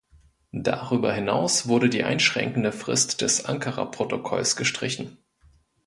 Darüber hinaus wurde die einschränkende Frist des Ankara-Protokolls gestrichen.